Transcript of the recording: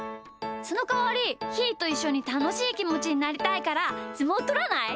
そのかわりひーといっしょにたのしいきもちになりたいからすもうとらない？